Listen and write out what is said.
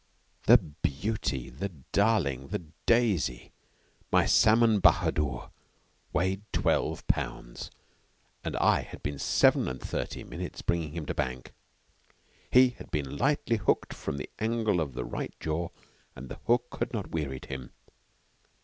The beauty, the darling, the daisy, my Salmon Bahadur, weighed twelve pounds, and I had been seven and thirty minutes bringing him to bank! He had been lightly hooked on the angle of the right jaw, and the hook had not wearied him.